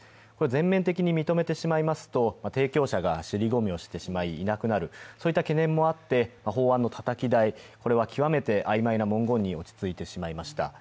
全面的に認めてしまいますと、提供者が尻込みをしてしまい、いなくなる、そういった懸念もあって法案のたたき台、これは極めて曖昧な文言に落ち着いてしまいました。